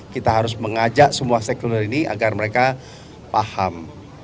kita harus mengajak semua stakeholder ini agar mereka paham